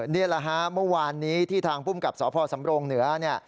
นี่แหละฮะเมื่อวานนี้ที่ทางภูมิกับสพสำรงเหนือเนี่ย